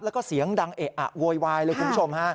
แล้วก็เสียงดังเอะอะโวยวายเลยคุณผู้ชมฮะ